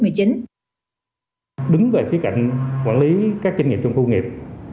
đứng về phía cạnh quản lý các doanh nghiệp trong khu công nghiệp